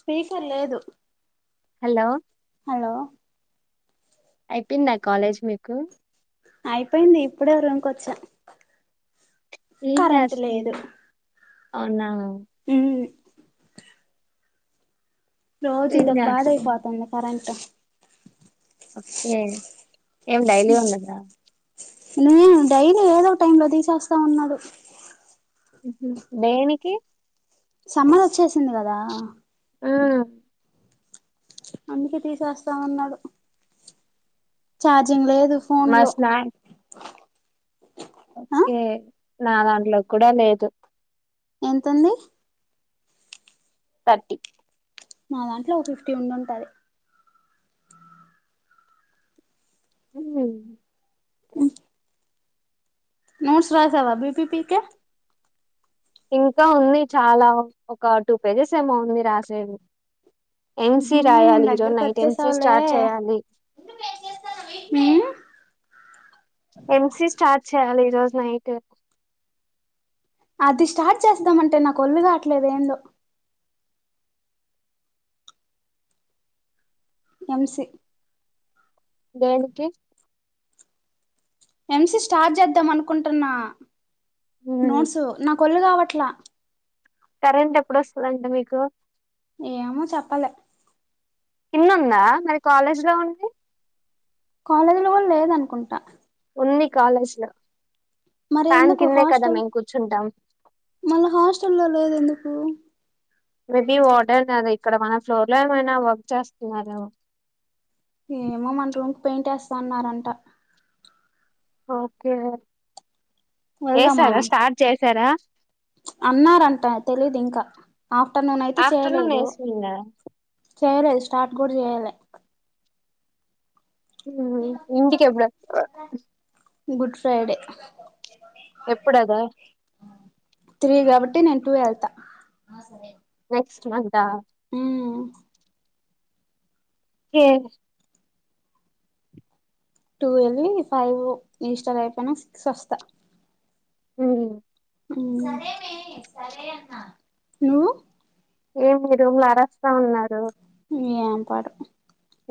Speaker లేదు hello hello అయిపోయింద అయిపోయింది ఇప్పుడే రూమ్కోచ ఏం కరెంట్ లేదు చేస్తున్నావ్ అవునా ఉమ్ రోజు ఏం ఇద ఒక బాధ చేస్తున్నావ్ అయిపోతుంది కరెంటట్ కే ఏం డైలీ ఉన్నదా లేను డైలీ ఏదో టైమ్ లో తీసేస్తా ఉన్నాడు దేనికి సమ్మర్ వచ్చేసింది కదా ఆ అందుక తీసేస్తామన్నాడు చార్జింగ్ లే ఫోన్ మా లో ఆ ఒకే నాదా ఇలో కుడా లేదు ఎంతంది థర్టీ మా దాంట్లో ఒక ఫిఫ్టీ ఉండింటది హ్మ్ ఓ నూడ్ స రాసవా బీపి పక ఇంకా ఉంది చాలా ఒక టూ పేజెస్ ఏమో ఉంది రాసేవి ఎంస ఉహూ రాయాలి హరో దగ్గరకు నైట్ ఎంసీ వచ్చేసావులే స్టార్ట్ చేయాలి ఉమ్ ఎంస స్టార్ట్ చాల ఈ రోజు నైట్ అది స్టార్ట్ చేస్తామంటే నాకు ఒళ్ళు కావట్లేదు ఏందో ఎంసి దేనికి ఎంసి స్టార్ట్ చేద్దాం అనుకుంటున్నా నోడ్సు నా కొల్గావ అట్లా కరెంట్ ఎప్పుడుస్తుందండి మీకు ఏమో చెప్పలె ఇన్ని ఉందా మరి కాలేజీ లో ఉండి కాలేజీల కూడా లేదనుకుంటా ఉంది కాలేజ్ లో మరి ఫ్యాన్ ఎందుకు కిందే కదా హాస్టల్ మేము కూర్చుంటాం మళ్ళా హాస్టల్ లో లేదు ఎందుకు అ మేబి వాఓట కదా ఇక్కడ మన ఫ్లోర్ లో ఏమైనా వర్క్ చేస్తున్నారు ఏమో మన పెయింట్ వేస్తాన్నారంట ఓకే స ఏ వెళ్దామా సార స్టార్ట్ చే సరా అన్నారంట తెలీదు ఇంకా ఆఫ్టర్నూన్ అయితే ఆఫ్టర్నూన్ చేయలేదూ ఏసిందా చేయలేదు స్టార్ట్ కూడా చేయలే ఇంటికి ఎప్పుడ గుడ్ ఫ్రైడే ఎప్పుడదా త్రీ కాబట్టి నేను టూ ఎల్తా నెక్స్ట్ మంత్ త ఏ టూ వెళ్ళి ఫైవ్ ఇన్స్టాట్ అయిపోయిన సిక్స్ వస్తా హ్మ మ్మ్ సరే అన్న నువ్ ఏమి రూమ్లుారస్తా ఉన్నారు ఏం పాడు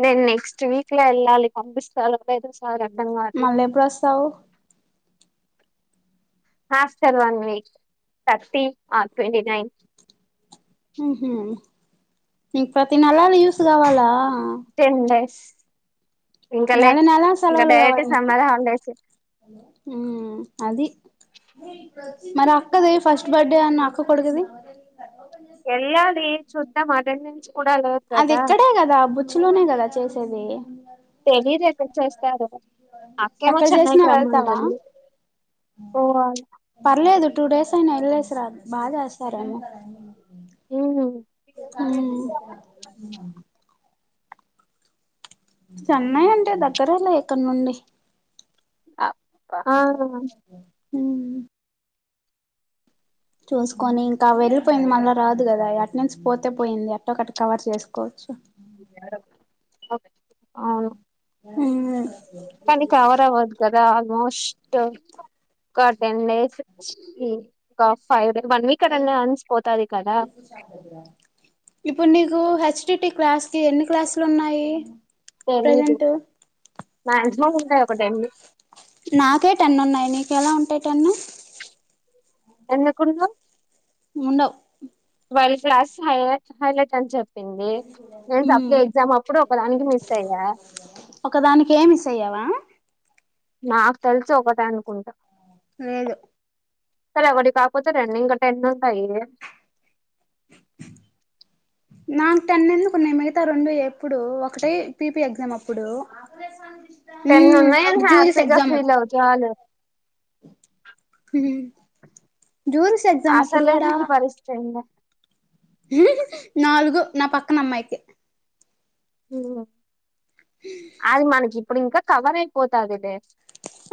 నేను నెక్స్ట్ వీక్ లా ఎల్లాలి పంపిస్తారొ లేదొ మళ్ళీ ఎప్పుడు వాస్తవ హాస్టల్ వన్ వీక్ థర్టీ ఆ ట్వంట నైన్ మ్మ్ హ్మ్ ఇ ప్రతి నెలలు యూస్ కావాలా టెన్ డేస్ ఇంకలే నేల నేల ఇంకా సెలవులు డైరెక్ట్ కావలి నికు సమ్మర్ హాలిడేస్ మ్మ్ అది మరి అక్కది ఫస్ట్ బర్డే అన్న అక్క కొడుకు ది వెళ్ళాలి చూద్దాం అటెండెన్స్ కూడా లేదు అది కదా ఇక్కడే కదా బుచ్చిలోనే కదా చేసేది అయితే తెలీద చేస్తారు ఏమో ఎక్కడ చేసినా వెళ్తావా పోవాలి పర్లేదు టూ డేస్ అయినా వెళ్లేసి రాదు బాగా చేస్తార ఉమ్ మ్మ్ చెన్నై అంటే దగ్గరేలే ఇక్కడ నుండి ఆ ఆ మ్ చూసుకొని ఇంకా వెళ్ళలిపోయింది. మళ్ళా రాదు కదా అటనెన్స్ పోతే పోయింది, అట్టొ ఒకటి కవర్ చేసుకోవచ్చు. ఒక్ అ ఉ [unintelligible] ష్ట ఒక టెన్ డేస్ కి ఒక ఫైవ్ డే వన్ వీక్ అడ అన్సిపోతది కదా. ఇప్పుడు నీకు హెచ్డిటి క్లాస్ కి ఎన్ని క్లాసులు ఉన్నాయి. తెలీదు ప్రజెంట్ మాక్సిమం ఉంటాయి ఒక టెన్ నాకే టెన్ను ఉన్నాయి నీ ఎలా ఉంటయి టెన్న్ ఎందుకుండ్ల ఉండవు వర్ల్డ్ క్లాస్ హ హాల చెప్పింది నేను ఉమ్ సప్ల ఎగ్జామ్ అప్పుడు ఒకదానికి మిస్ అయ్యా. ఒక దానికే మిస్ అయ్యావా. నాకు తెలుసు ఒకట అనుకుంటా లేదు సరే ఒకటి కాకపోతే రెండ్ ఇంకా టెన్ ఉంటాయి. నాకు టెన్ ఎందుకున్నా మిగతా రెండు ఎప్పుడు ఒకటే పిపి ఎగ్జామ్ అప్పుడు టెన్ ఉమ్ ఉన్నా నేను ఒకటి జూరిస్ హ్యాపీగా ఫీల్ అవ చాల హు ఆసలేనే పరిస్థితి ఇగ హు హు నాలుగు నా పక్కన అమ్మాయికి హ్మ్ ఆదిమానకి ఇప్పుడు ఇంకా కవరైపోతదిలే.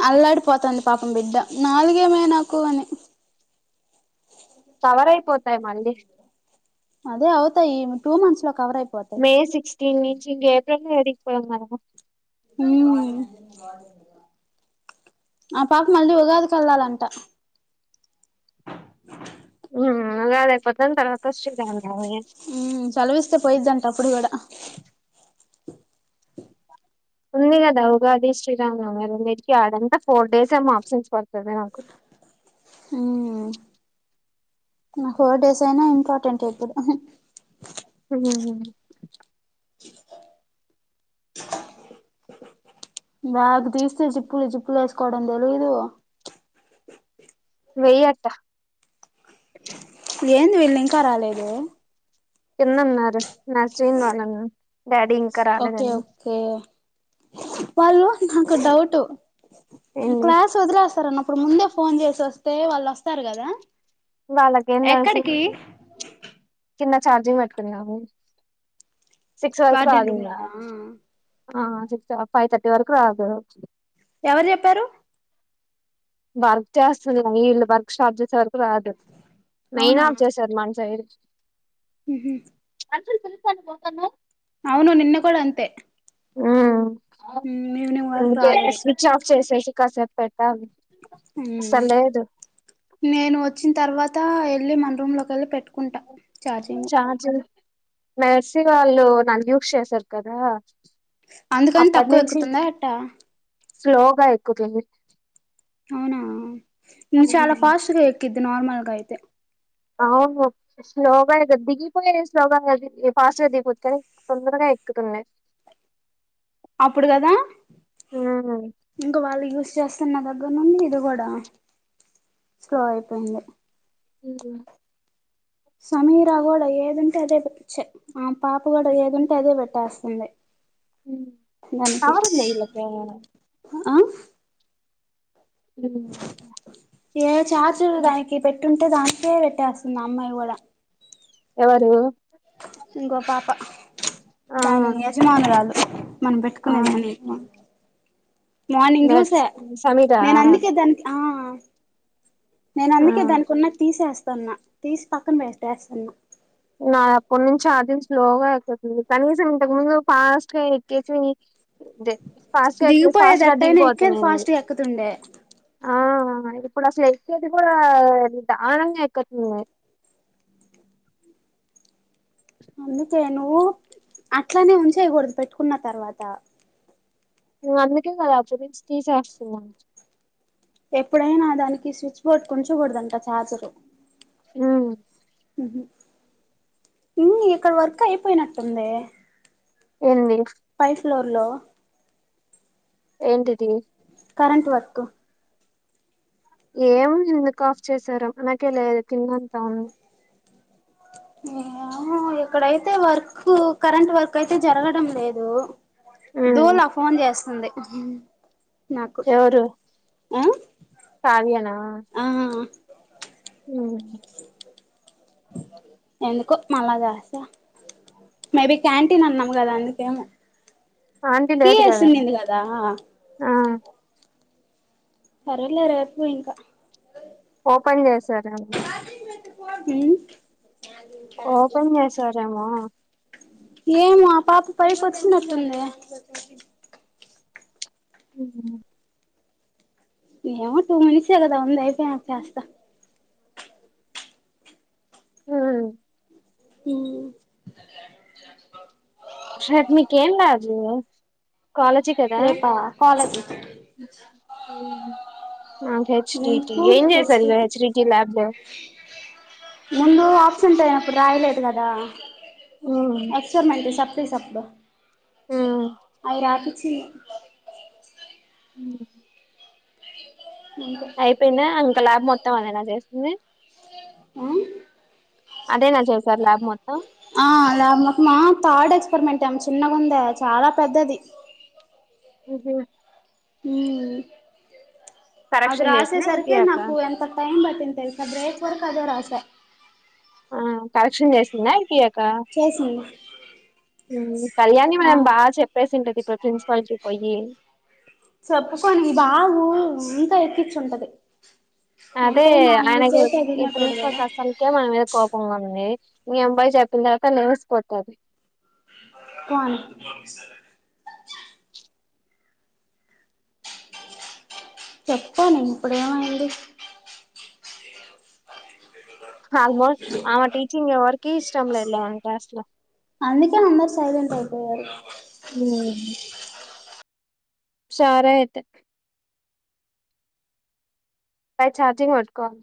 అల్లాడిపోతాంది పాపం బిడ్డ నాలుగేనె నాకు అని. సవరయిపోతాయి మళ్ళీ అదే అవుతా ఈ టూ మంత్స్ ల కవరైపోతయ్ త నుంచి ఇం ఏపల్ అడికిపోవ మనం ఊ ఆ పాప మళ్ళీ ఉగాదికి వెళ్ళాలంట. ఉ అదే లేపోతే తర్వాత స్ట్రీట్ హ్మ్ సెలవ్ ఇస్తే పోయిద్దంట అప్పుడు కూడా ఉంది కదా ఉగాది శ్రీరామ్నవమి ఆ రెండిటికి ఫోర్ డేస్ ఏమొ ఆబ్సెన్స్ పడుతుంది నాకు మ్మ్ ఆ హోర్ డేస్ అయినా ఇంపార్టెంట్ ఇప్పుడు ఉమ్, బ్యాగ తీస్తే జీప్పులు జీప్పులు వేసుకోవడం తెలీదు వెయ్యట ఏంది వీళ్ళు ఇంకా రాలేదు కిందన్నారు నస్రీన్ వాళ్ళ డాడీ ఇంకా రాలేదని వాల్ నాకు డౌట్ ఏంది క్లాస్ వదిలెసరనప్ ప్పుడు ముందే ఫోన్ చేసోస్తే వాళ్ళు వస్తారు కదా వాళ్ళకేందేల్సు ఎక్కడికి కింద చార్జింగ్ పెట్టుకుందామన్ సిక్స్ వరకు వార్డెన్ రూమ్ రాదింగ లోనా ఆ సిక్స్ త ఫైవ్ తర్టీ వరకు రాదు ఎవరు చెప్పారు వర్క్ చేస్తున్న వీళ్ళు వర్క్ స్టాప్ చేసే వర్క్ రాదు మెయిన్ అవునా అఫ్ చేసారు మనసైడ్ కీ ఉహు అసలు తెిసనీ పోతానవ్ అవును నిన్న కూడ అంతే ఉమ్ ఈవినింగ్ ఉ వరకు రాలేదు స్విచ్ ఆఫ్ చేసేసి కాసేపు పెట్టాలి అసలు లేదు నేను వచ్చిన తర్వాత మళ్ళీ రమ్లగేలి పెట్ కుంటా చార్జింగ్ మెర్సిగాళ్ళు నాది యూస్ చేశారు కదా అందుకని అప్పటి తక్కువ నుంచి ఎక్కుతుందా ఎట్ట స్లోగా ఎక్కుతుంది అవునా ఇది చాల ఫాస్ట్ గా ఎక్కిది నార్మల్ అయితే అవును స్లోగ దిగిపోయి స్లోగ అది ఫాస్ట్ దిగిపోతది తొందరగా ఎక్కుతున్నాయి అప్పుడు కదా ఉమ్ ఇంకా వాళ్ళ చూస్ చేస్తున్న దగ్గర నుండి ఇది కూడ స్లో అయిపోయింది ఉం సమీరా కూడా ఏదింటే అదే ఆ పాప కూడా ఏదింటే అదే పెట్టేస్తంది కారుంద ఇల్లకి ఆ ఉమ్. ఏ చార్జ దానికి పెట్ పెట్టుంటే దానికే పెట్టేస్తుంది అమ్మాయి కూడా ఎవరు ఇంగో పాప ఆ దాన్ని యజమానురాలు మనం ఆ పెట్టుకునేదాన్ని మార్నింగ్ చూసా నట్స్ సమీరా నేను అందుకే దానికి ఆ [inaudible] నేను ఆ అందుకే దానికి ఉన్నది తీసేస్తా స్తున్నా తీసి పక్కన పెటేస్తున్నా నా అప్పటి నుంచి ఛార్జింగ్ స్లో గా ఎక్కుతుంది కనీసం ఇంతకు ముందు ఫాస్ట్ గా ఎక్కేసి ఫాస్ట్ గా ఎక్కేసి దీగిపోయేది ఫాస్ట్ గా ఎట్టయిన ఎక్కది దిగిపోతున్నాంది ఫాస్ట్ గా ఎక్కుతుండే ఆ ఇప్పుడు అసలు ఎక్కేది కూడా దారనంగా ఎక్కతుంది అందుకే నువ్వు అట్లనే ఉంచేయగూడదు పెట్టుకున్న తర్వాత నువ్ అందుకే కదా చూపించి తీసేస్తున్నావ్ ఎప్పుడైనా దానికి స్విచ్ బోర్డు కొంచకూడదంట ఛార్జరు ఆ ఇంగా ఇక్కడ వర్క్ అయిపోయినట్టుంది ఎంది పై ఫ్లోర్ లొ ఏంటిదీ కరెంట్ వర్క్ ఏం ఎందుక్ కాఫ్ చేసారో మనకే లేదు కింద అంతా ఉంది ఏ ఎక్కడైతే వర్క్ కరెంట్ వర్క్ అయితే జరగడం లేదు ఉమ్ దూలా ఫోన్ చేస్తుంది అ ఎవరు కావ్య నా ఆ అ ఊ ఎందుకో మళాగాసా మేబి క్యాంటీన్ అన్నాం కదా అందుకేమో ఆంటీ కీ లేదు ఏసి ఎల్లింది కదా ఆ సరే లే రేపు ఇంకా ఓపెన్ చేశార హ ఓ కన్యాసారేమా ఏం ఆ పాప పైకి వచ్చినట్టుంది హ ఏమో టూ మినిట్స్యే గదా ఉంది అయిపోయినాకా చేస్త ఉమ్ హ షట్ మీ కేం లాదు రేపా కాలజ్ మ్మ్ ఆ హెచ్డిటి ఏం చేసారు ఫెసిలిటీ హెచ్డిటి లాబ్ లో తుంటాయప్పుడు రాయలేదు కదా అక్షరమయితే స పీసక్బా మ్మ్ అయి రాపి చీ మ్మ్ అంతే అయిపోయినా ఇక ల్యాబ్ మొత్తం ఆమేనా చేస్తుంది ఆ అదేనా చేసారు ల్యాబ్ మొత్తం ఆ ల్యాబ్ మొత్తం ఆ థర్డ్ ఎక్స్పెరిమెంట్ ఏం చిన్నగుంద చాలా పెద్దది ఉ హు మ్మ్ అది కరెక్షన్ చేసిందా రాసేసరికే అయిపోయాక నాకు ఎంత టైమ్ పట్టింది తె నా బ్రేక్ వర్కు అదే రాశా ఆ కరెక్షన్ చేసిన్నా చేసింది హ్మ్ కళ్యాణి ఆ మనం బాగా చెప్పేసింటది ఇప్పుడు ప్రిన్సిపల్కి పొయ్యి ఎత్తిచ్చుంటది అదే ఆయనకు ఈ తినేటోడు ప్రిన్సిపల్ కదా కు అసల్కే మన మీద కోపంగుంది మీ అబ్బాయి చెప్పిన తర్వాత న్యూస్పోతది క్వాన్ చెప్పా నేను ఇప్పుడేమైంది ఆల్మోస్ట్ ఆమె టీచింగ్ ఎవరికి ఇష్టంలేదులే మన క్లాస్ లో ఏం అందరు సైలెంట్ అయిపోయారు హ్మ్ సరే ఐతే బై చార్జింగ్ పెట్టుకోవాలె